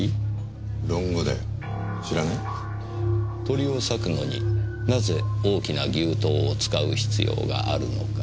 鳥を割くのになぜ大きな牛刀を使う必要があるのか。